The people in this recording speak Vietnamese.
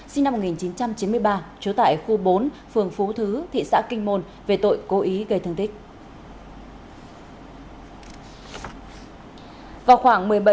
sinh năm một nghìn chín trăm chín mươi ba trú tại khu bốn phường phú thứ thị xã kinh môn về tội cố ý gây thương tích